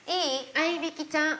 あいびきちゃん。